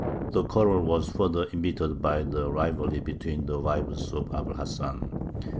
The quarrel was further embittered by the rivalry between the wives of Abu l Hasan.